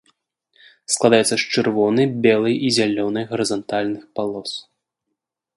Складаецца з чырвонай, белай і зялёнай гарызантальных палос.